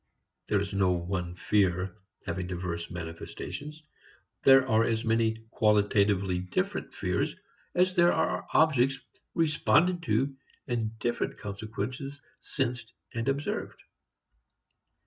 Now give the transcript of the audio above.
There is no one fear having diverse manifestations; there are as many qualitatively different fears as there are objects responded to and different consequences sensed and observed.